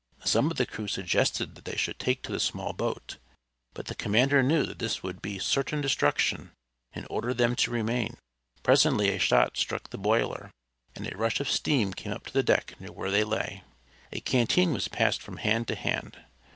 Some of the crew suggested that they should take to the small boat, but the commander knew that this would be certain destruction, and ordered them to remain. Presently a shot struck the boiler, and a rush of steam came up the deck near where they lay. A canteen was passed from hand to hand.